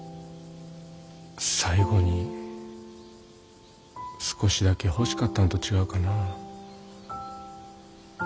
最後に少しだけ欲しかったんと違うかなあ。